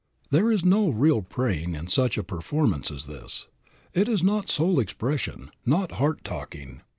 There is no real praying in such a performance as this. It is not soul expression, not heart talking.